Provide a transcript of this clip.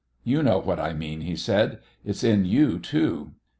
"You know what I mean," he said. "It's in you too."